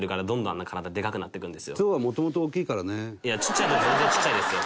いやちっちゃいのは全然ちっちゃいですよ。